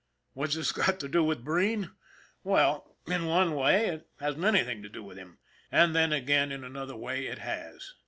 What's this got to do with Breen? Well, in one way, it hasn't anything to do with him; and, then again, in another way, it has.